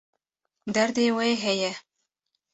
Derdê wê heye.